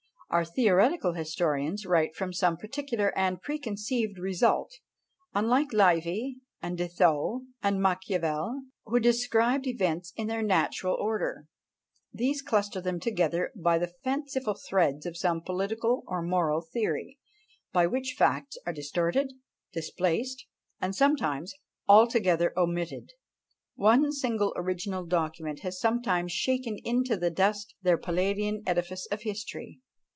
Our theoretical historians write from some particular and preconceived result; unlike Livy, and De Thou, and Machiavel, who describe events in their natural order, these cluster them together by the fanciful threads of some political or moral theory, by which facts are distorted, displaced, and sometimes altogether omitted! One single original document has sometimes shaken into dust their Palladian edifice of history.